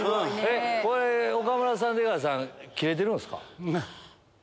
これ岡村さん出川さんキレてるんすか？